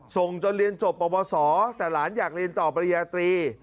ทรงจนเรียนจบประวัติศาสตร์แต่หลานอยากเรียนจอบปริญญาตรี